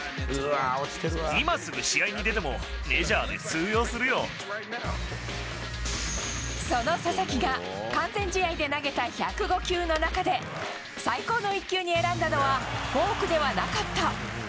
今すぐ試合に出ても、メジャーでその佐々木が完全試合で投げた１０５球の中で、最高の１球に選んだのは、フォークではなかった。